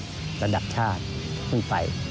ทีมชาติระดับชาติขึ้นไป